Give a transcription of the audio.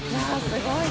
すごい！